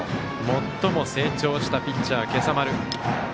最も成長したピッチャー今朝丸。